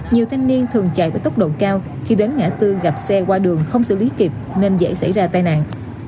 nhiều thanh niên thường chạy với tốc độ cao khi đến ngã tư gặp xe qua đường không xử lý kịp nên dễ xảy ra tai nạn